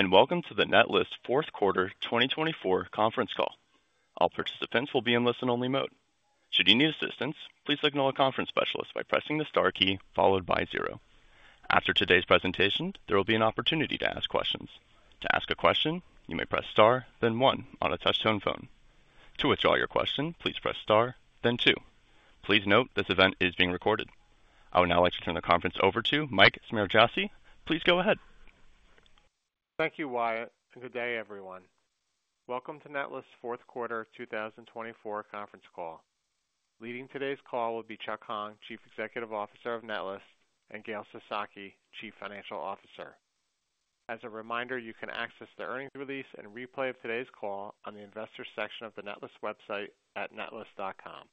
Good day, and welcome to the Netlist Fourth Quarter 2024 conference call. All participants will be in listen-only mode. Should you need assistance, please signal a conference specialist by pressing the star key followed by zero. After today's presentation, there will be an opportunity to ask questions. To ask a question, you may press star, then one on a touch-tone phone. To withdraw your question, please press star, then two. Please note this event is being recorded. I would now like to turn the conference over to Mike Smargiassi. Please go ahead. Thank you, Wyatt. Good day, everyone. Welcome to Netlist Fourth Quarter 2024 Conference Call. Leading today's call will be Chuck Hong, Chief Executive Officer of Netlist, and Gail Sasaki, Chief Financial Officer. As a reminder, you can access the earnings release and replay of today's call on the investor section of the Netlist website at netlist.com.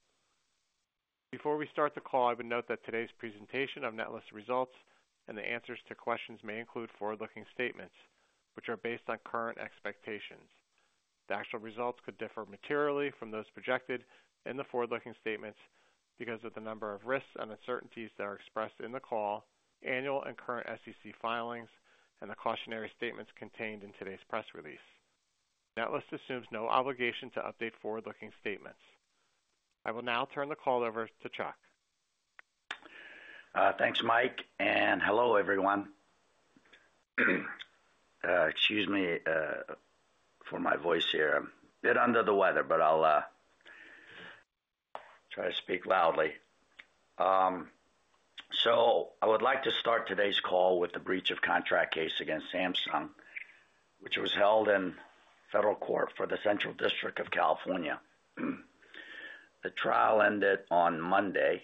Before we start the call, I would note that today's presentation of Netlist results and the answers to questions may include forward-looking statements, which are based on current expectations. The actual results could differ materially from those projected in the forward-looking statements because of the number of risks and uncertainties that are expressed in the call, annual and current SEC filings, and the cautionary statements contained in today's press release. Netlist assumes no obligation to update forward-looking statements. I will now turn the call over to Chuck. Thanks, Mike, and hello, everyone. Excuse me for my voice here. I'm a bit under the weather, but I'll try to speak loudly. I would like to start today's call with the breach of contract case against Samsung, which was held in federal court for the Central District of California. The trial ended on Monday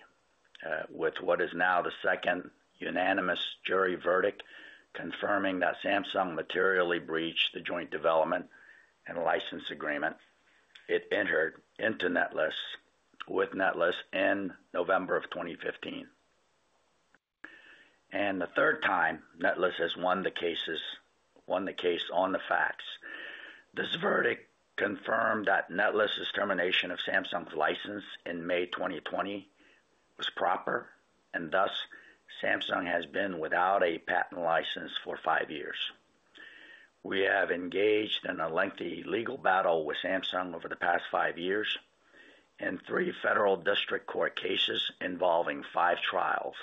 with what is now the second unanimous jury verdict confirming that Samsung materially breached the joint development and license agreement it entered into with Netlist in November of 2015. This is the third time Netlist has won the case on the facts. This verdict confirmed that Netlist's termination of Samsung's license in May 2020 was proper, and thus Samsung has been without a patent license for five years. We have engaged in a lengthy legal battle with Samsung over the past five years in three federal district court cases involving five trials.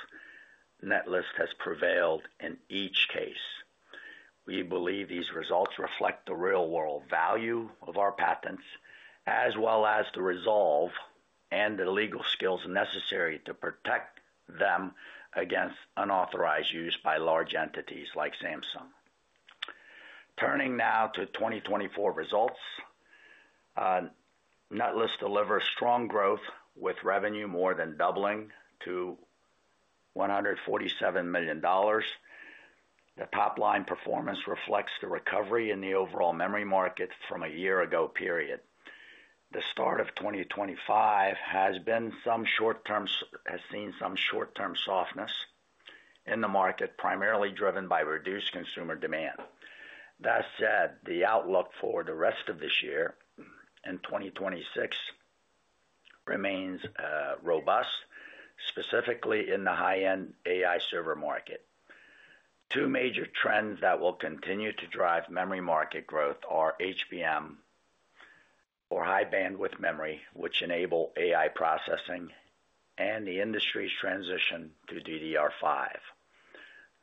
Netlist has prevailed in each case. We believe these results reflect the real-world value of our patents, as well as the resolve and the legal skills necessary to protect them against unauthorized use by large entities like Samsung. Turning now to 2024 results, Netlist delivers strong growth with revenue more than doubling to $147 million. The top-line performance reflects the recovery in the overall memory market from a year ago period. The start of 2025 has seen some short-term softness in the market, primarily driven by reduced consumer demand. That said, the outlook for the rest of this year and 2026 remains robust, specifically in the high-end AI server market. Two major trends that will continue to drive memory market growth are HBM or high-bandwidth memory, which enable AI processing, and the industry's transition to DDR5.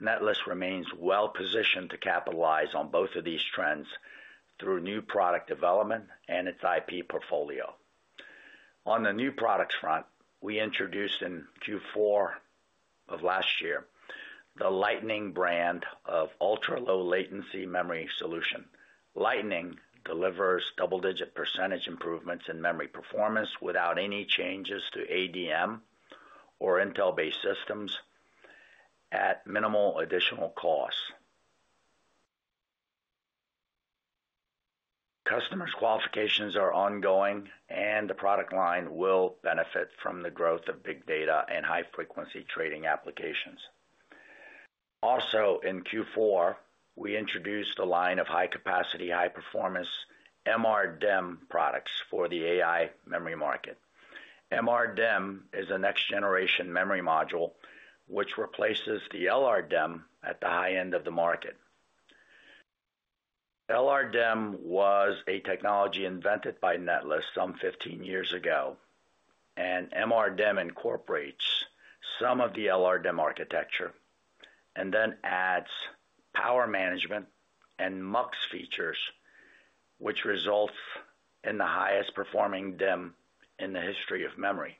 Netlist remains well-positioned to capitalize on both of these trends through new product development and its IP portfolio. On the new products front, we introduced in Q4 of last year the Lightning brand of ultra-low-latency memory solution. Lightning delivers double-digit % improvements in memory performance without any changes to AMD or Intel-based systems at minimal additional cost. Customers' qualifications are ongoing, and the product line will benefit from the growth of big data and high-frequency trading applications. Also, in Q4, we introduced a line of high-capacity, high-performance MRDIMM products for the AI memory market. MRDIMM is a next-generation memory module which replaces the LRDIMM at the high end of the market. LRDIMM was a technology invented by Netlist some 15 years ago, and MRDIMM incorporates some of the LRDIMM architecture and then adds power management and MUX features, which results in the highest-performing DIMM in the history of memory.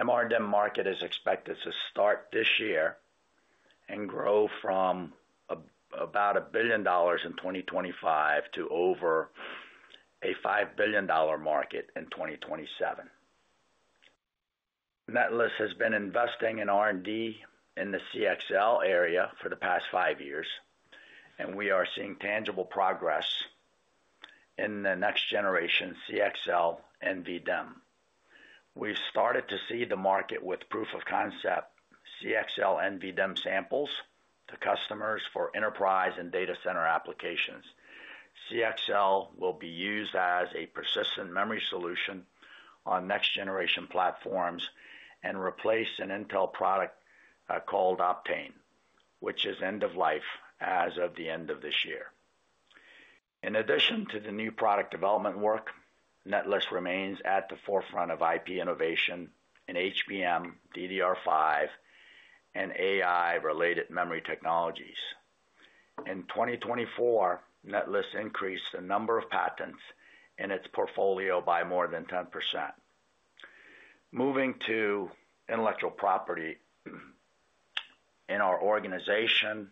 MRDIMM market is expected to start this year and grow from about $1 billion in 2025 to over a $5 billion market in 2027. Netlist has been investing in R&D in the CXL area for the past five years, and we are seeing tangible progress in the next-generation CXL NVDIMM. We've started to see the market with proof-of-concept CXL NVDIMM samples to customers for enterprise and data center applications. CXL will be used as a persistent memory solution on next-generation platforms and replace an Intel product called Optane, which is end-of-life as of the end of this year. In addition to the new product development work, Netlist remains at the forefront of IP innovation in HBM, DDR5, and AI-related memory technologies. In 2024, Netlist increased the number of patents in its portfolio by more than 10%. Moving to intellectual property in our organization,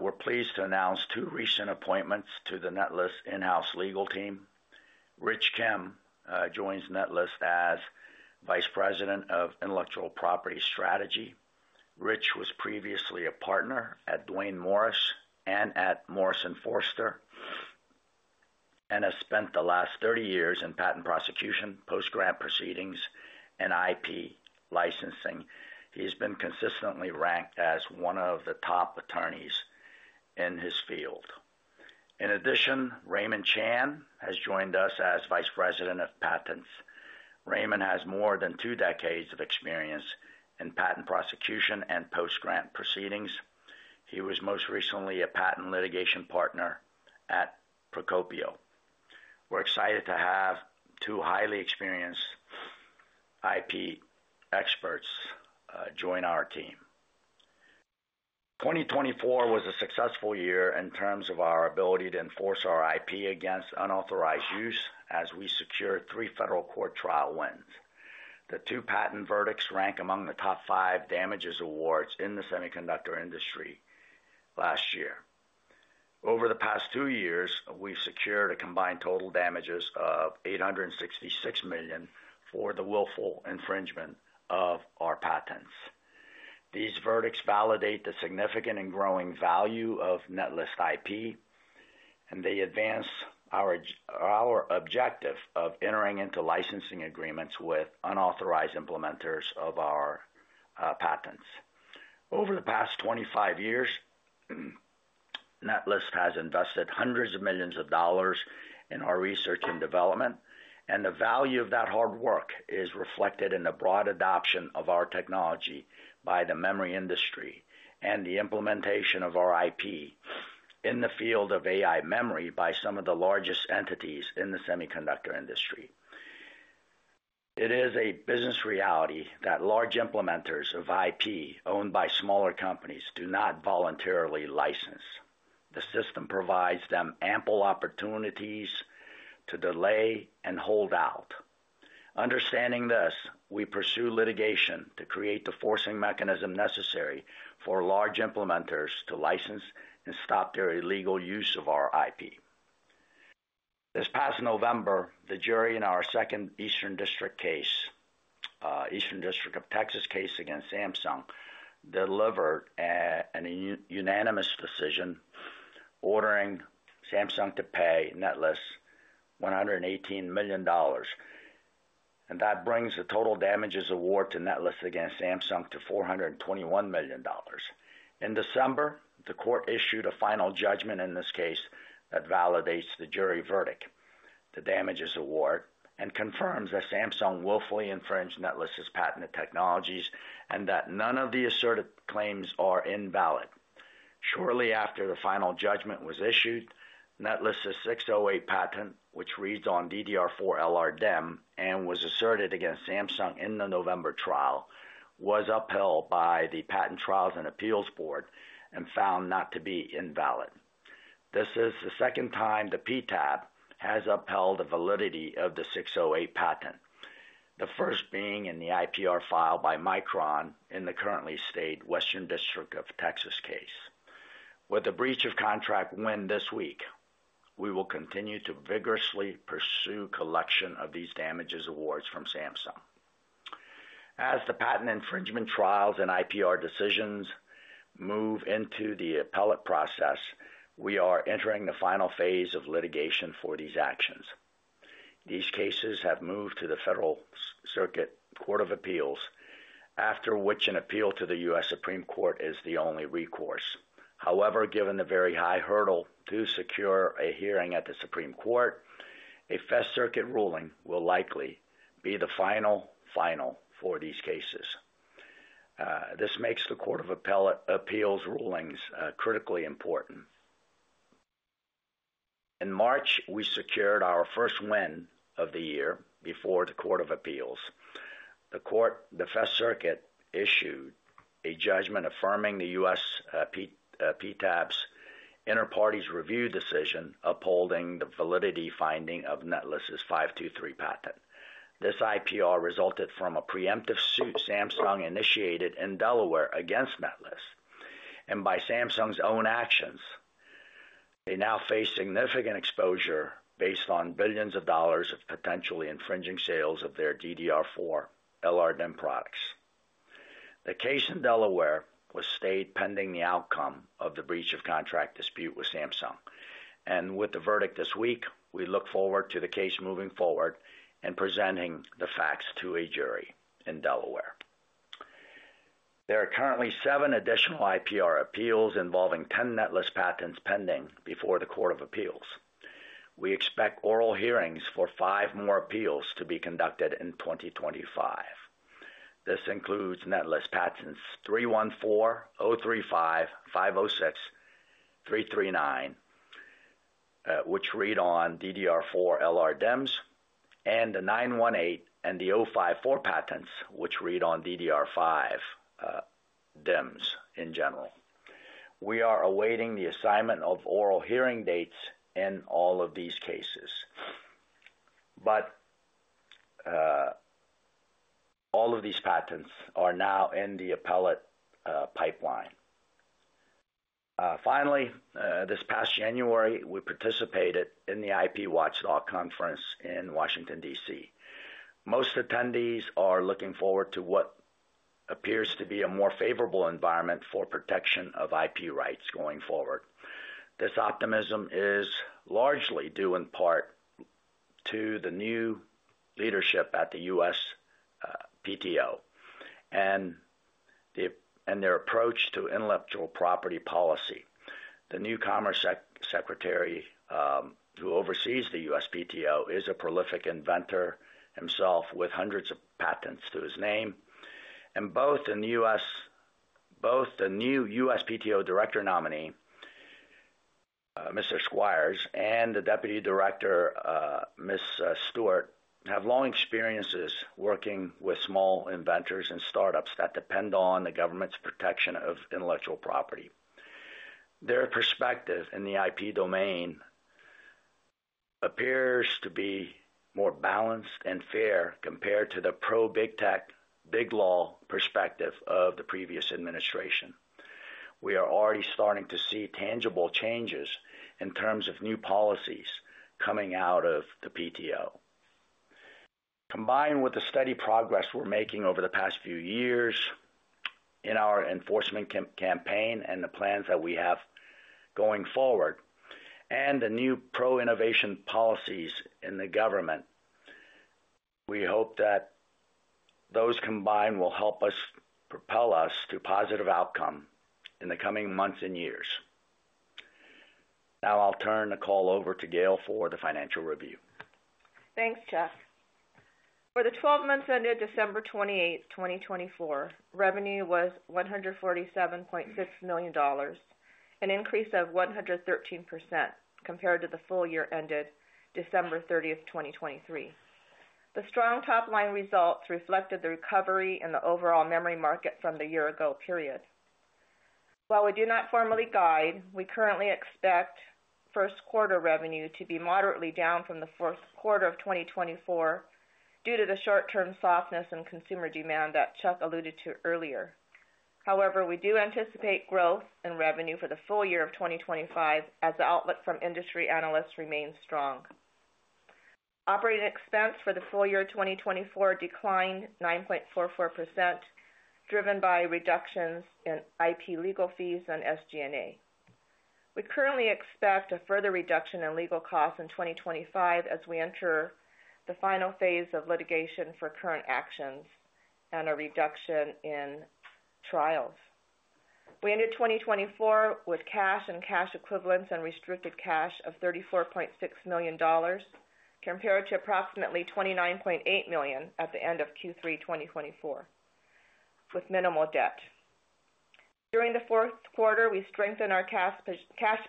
we're pleased to announce two recent appointments to the Netlist in-house legal team. Rich Kim joins Netlist as Vice President of Intellectual Property Strategy. Rich was previously a partner at Duane Morris and at Morrison & Foerster and has spent the last 30 years in patent prosecution, post-grant proceedings, and IP licensing. He has been consistently ranked as one of the top attorneys in his field. In addition, Raymond Chan has joined us as Vice President of Patents. Raymond has more than two decades of experience in patent prosecution and post-grant proceedings. He was most recently a patent litigation partner at Procopio. We're excited to have two highly experienced IP experts join our team. 2024 was a successful year in terms of our ability to enforce our IP against unauthorized use as we secured three federal court trial wins. The two patent verdicts ranked among the top five damages awards in the semiconductor industry last year. Over the past two years, we've secured a combined total damages of $866 million for the willful infringement of our patents. These verdicts validate the significant and growing value of Netlist IP, and they advance our objective of entering into licensing agreements with unauthorized implementers of our patents. Over the past 25 years, Netlist has invested hundreds of millions of dollars in our research and development, and the value of that hard work is reflected in the broad adoption of our technology by the memory industry and the implementation of our IP in the field of AI memory by some of the largest entities in the semiconductor industry. It is a business reality that large implementers of IP owned by smaller companies do not voluntarily license. The system provides them ample opportunities to delay and hold out. Understanding this, we pursue litigation to create the forcing mechanism necessary for large implementers to license and stop their illegal use of our IP. This past November, the jury in our second Eastern District case, Eastern District of Texas case against Samsung delivered a unanimous decision ordering Samsung to pay Netlist $118 million. That brings the total damages award to Netlist against Samsung to $421 million. In December, the court issued a final judgment in this case that validates the jury verdict, the damages award, and confirms that Samsung willfully infringed Netlist's patented technologies and that none of the asserted claims are invalid. Shortly after the final judgment was issued, Netlist's 608 patent, which reads on DDR4 LRDIMM and was asserted against Samsung in the November trial, was upheld by the Patent Trial and Appeal Board and found not to be invalid. This is the second time the PTAB has upheld the validity of the 608 patent, the first being in the IPR filed by Micron in the currently stayed Western District of Texas case. With the breach of contract win this week, we will continue to vigorously pursue collection of these damages awards from Samsung. As the patent infringement trials and IPR decisions move into the appellate process, we are entering the final phase of litigation for these actions. These cases have moved to the Federal Circuit Court of Appeals, after which an appeal to the U.S. Supreme Court is the only recourse. However, given the very high hurdle to secure a hearing at the Supreme Court, a Federal Circuit ruling will likely be the final, final for these cases. This makes the Court of Appeals rulings critically important. In March, we secured our first win of the year before the Court of Appeals. The Federal Circuit issued a judgment affirming the U.S. PTAB's inter partes review decision upholding the validity finding of Netlist's 523 patent. This IPR resulted from a preemptive suit Samsung initiated in Delaware against Netlist. By Samsung's own actions, they now face significant exposure based on billions of dollars of potentially infringing sales of their DDR4 LRDIMM products. The case in Delaware was stayed pending the outcome of the breach of contract dispute with Samsung. With the verdict this week, we look forward to the case moving forward and presenting the facts to a jury in Delaware. There are currently seven additional IPR appeals involving 10 Netlist patents pending before the Court of Appeals. We expect oral hearings for five more appeals to be conducted in 2025. This includes Netlist patents 314, 035, 506, 339, which read on DDR4 LRDIMMs, and the 918 and the 054 patents, which read on DDR5 DIMMs in general. We are awaiting the assignment of oral hearing dates in all of these cases. All of these patents are now in the appellate pipeline. Finally, this past January, we participated in the IPWatchdog Conference in Washington, D.C. Most attendees are looking forward to what appears to be a more favorable environment for protection of IP rights going forward. This optimism is largely due in part to the new leadership at the USPTO and their approach to intellectual property policy. The new Commerce Secretary who oversees the U.S. PTO is a prolific inventor himself with hundreds of patents to his name. Both the new USPTO Director nominee, Mr. Squires, and the Deputy Director, Ms. Stewart, have long experiences working with small inventors and startups that depend on the government's protection of intellectual property. Their perspective in the IP domain appears to be more balanced and fair compared to the pro-big tech, big law perspective of the previous administration. We are already starting to see tangible changes in terms of new policies coming out of the PTO. Combined with the steady progress we're making over the past few years in our enforcement campaign and the plans that we have going forward, and the new pro-innovation policies in the government, we hope that those combined will help us propel us to positive outcomes in the coming months and years. Now I'll turn the call over to Gail for the financial review. Thanks, Chuck. For the 12 months ended December 28, 2024, revenue was $147.6 million, an increase of 113% compared to the full year ended December 30th, 2023. The strong top-line results reflected the recovery in the overall memory market from the year-ago period. While we do not formally guide, we currently expect first-quarter revenue to be moderately down from the fourth quarter of 2024 due to the short-term softness in consumer demand that Chuck alluded to earlier. However, we do anticipate growth in revenue for the full year of 2025 as the outlook from industry analysts remains strong. Operating expense for the full year 2024 declined 9.44%, driven by reductions in IP legal fees and SG&A. We currently expect a further reduction in legal costs in 2025 as we enter the final phase of litigation for current actions and a reduction in trials. We ended 2024 with cash and cash equivalents and restricted cash of $34.6 million compared to approximately $29.8 million at the end of Q3 2024, with minimal debt. During the fourth quarter, we strengthened our cash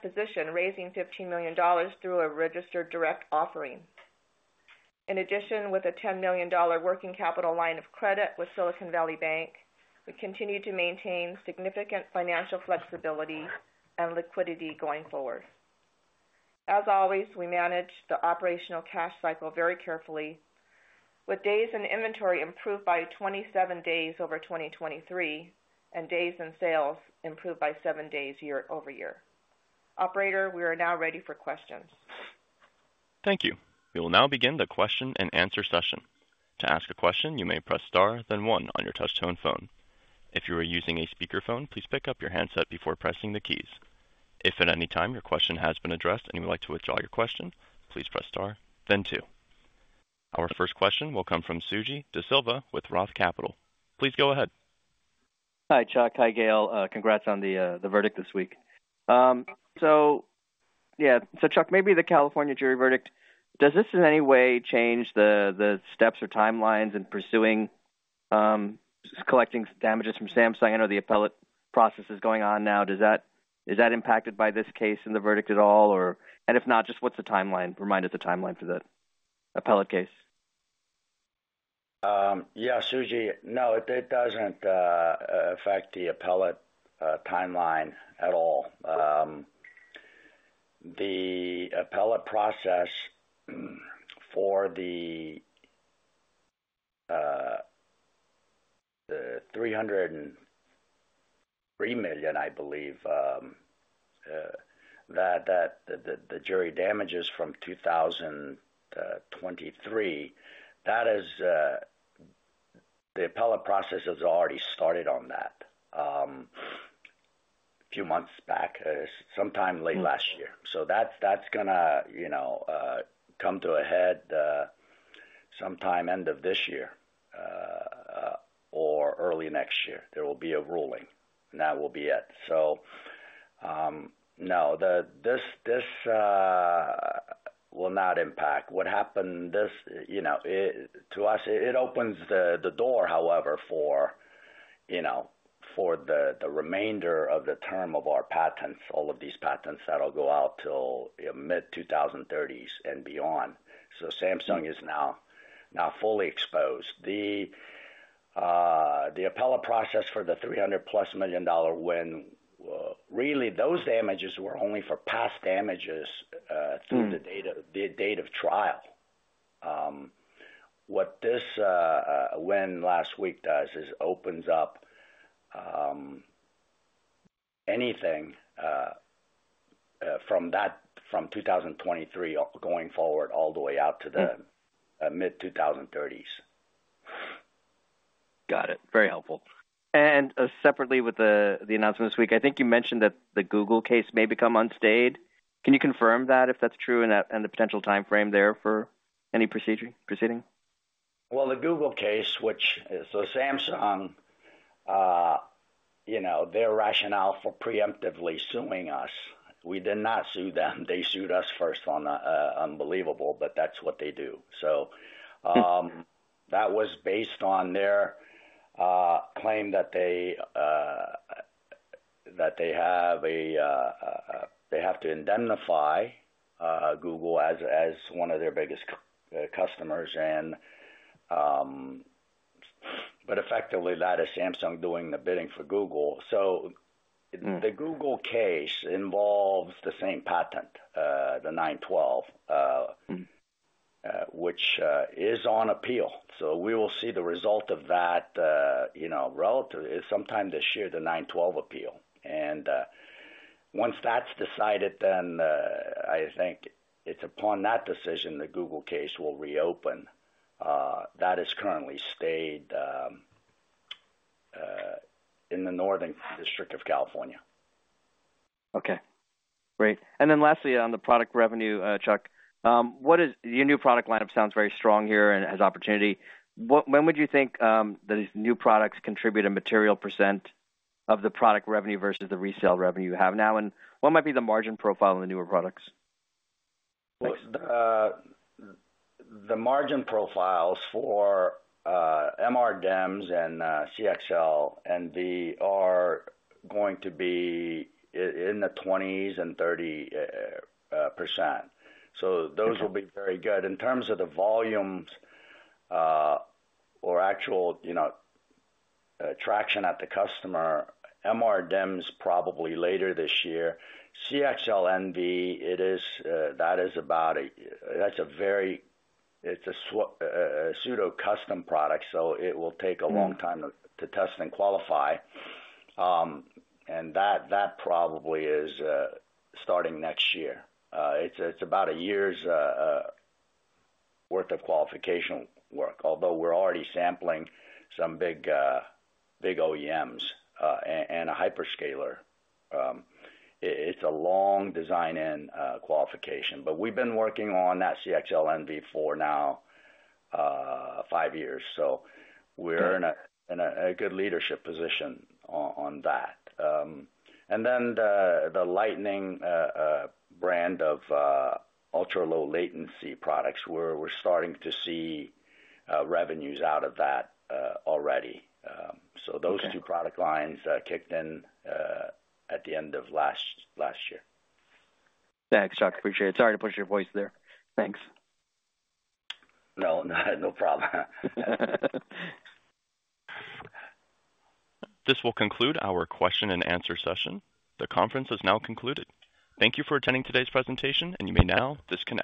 position, raising $15 million through a registered direct offering. In addition, with a $10 million working capital line of credit with Silicon Valley Bank, we continue to maintain significant financial flexibility and liquidity going forward. As always, we manage the operational cash cycle very carefully, with days in inventory improved by 27 days over 2023 and days in sales improved by 7 days year-over-year. Operator, we are now ready for questions. Thank you. We will now begin the question-and-answer session. To ask a question, you may press star, then one on your touch-tone phone. If you are using a speakerphone, please pick up your handset before pressing the keys. If at any time your question has been addressed and you would like to withdraw your question, please press star, then two. Our first question will come from Suji Desilva with ROTH Capital. Please go ahead. Hi, Chuck. Hi, Gail. Congrats on the verdict this week. Yeah. Chuck, maybe the California jury verdict, does this in any way change the steps or timelines in pursuing collecting damages from Samsung? I know the appellate process is going on now. Is that impacted by this case and the verdict at all? If not, just what's the timeline? Remind us the timeline for the appellate case. Yeah, Suji. No, it doesn't affect the appellate timeline at all. The appellate process for the $303 million, I believe, that the jury damages from 2023, the appellate process has already started on that a few months back, sometime late last year. That is going to come to a head sometime end of this year or early next year. There will be a ruling, and that will be it. No, this will not impact. What happened to us, it opens the door, however, for the remainder of the term of our patents, all of these patents that will go out till mid-2030s and beyond. Samsung is now fully exposed. The appellate process for the $300-plus million win, really, those damages were only for past damages through the date of trial. What this win last week does is opens up anything from 2023 going forward all the way out to the mid-2030s. Got it. Very helpful. Separately with the announcement this week, I think you mentioned that the Google case may become unstayed. Can you confirm that, if that's true, and the potential timeframe there for any proceeding? The Google case, which, so Samsung, their rationale for preemptively suing us, we did not sue them. They sued us first on unbelievable, but that's what they do. That was based on their claim that they have to indemnify Google as one of their biggest customers. Effectively, that is Samsung doing the bidding for Google. The Google case involves the same patent, the 912, which is on appeal. We will see the result of that sometime this year, the 912 appeal. Once that's decided, then I think it's upon that decision the Google case will reopen. That is currently stayed in the Northern District of California. Okay. Great. Lastly, on the product revenue, Chuck, your new product lineup sounds very strong here and has opportunity. When would you think these new products contribute a material percent of the product revenue versus the resale revenue you have now? And what might be the margin profile in the newer products? The margin profiles for MRDIMMs and CXL NVDIMM are going to be in the 20%-30% range. Those will be very good. In terms of the volumes or actual traction at the customer, MRDIMMs probably later this year. CXL NVDIMM, that is a very, it is a pseudo-custom product, so it will take a long time to test and qualify. That probably is starting next year. It is about a year's worth of qualification work, although we are already sampling some big OEMs and a hyperscaler. It is a long design-in qualification. We have been working on that CXL NVDIMM for now five years. We are in a good leadership position on that. The Lightning brand of ultra-low-latency products, we are starting to see revenues out of that already. Those two product lines kicked in at the end of last year. Thanks, Chuck. Appreciate it. Sorry to push your voice there. Thanks. No problem. This will conclude our question-and-answer session. The conference has now concluded. Thank you for attending today's presentation, and you may now disconnect.